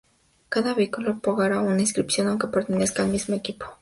Cada vehículo pagará una inscripción, aunque pertenezcan al mismo equipo.